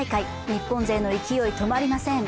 日本勢の勢い、止まりません。